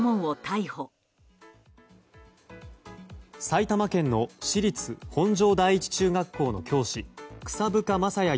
埼玉県の私立本庄第一中学校の教師草深将也